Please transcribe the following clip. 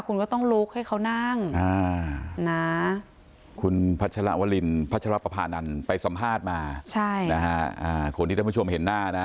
คุณก็ต้องลุกให้เขานั่งคุณพัชรวรินพัชรปภานันไปสัมภาษณ์มาคนที่ท่านผู้ชมเห็นหน้านะ